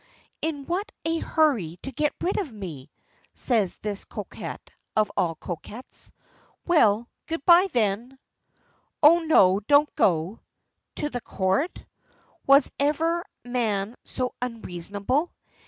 "In what a hurry to get rid of me!" says this coquette of all coquettes. "Well, good bye then " "Oh no, don't go." "To the Court? Was ever man so unreasonable?